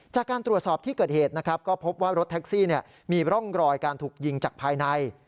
จากการตรวจสอบที่เกิดเหตุนะครับก็พบว่ารถแท็กซี่มีร่องรอยการถูกยิงจากภายใน